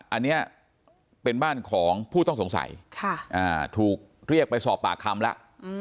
อันนี้เป็นบ้านของผู้ต้องสงสัยถูกเรียกไปสอบปากคำแล้ว